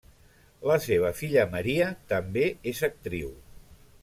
La seva filla Maria també és actriu.